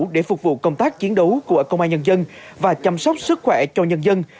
để phục vụ công tác chiến đấu của công an nhân dân và chăm sóc sức khỏe cho nhân dân